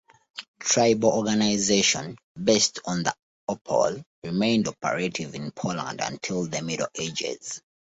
Tribal organization, based on the "opole", remained operative in Poland until the Middle Ages.